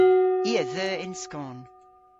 I a dheu yn skon.